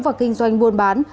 và kinh doanh buôn bán